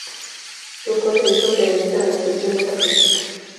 Sus cuatro hijos se dedican a disciplinas artísticas.